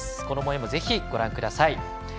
このもようもぜひご覧ください。